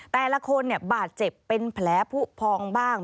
แต่ละคนบาดเจ็บเป็นแผลผู้พองบ้าง